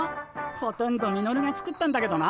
ほとんどミノルが作ったんだけどな。